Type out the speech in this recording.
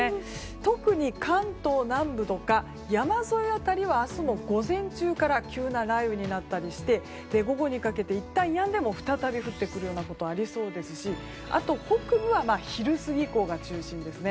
特に関東南部とか山沿い辺りは明日も午前中から急な雷雨になったりして午後にかけていったんやんでも再び降ってくることがありそうですし、あと北部は昼過ぎ以降が中心ですね。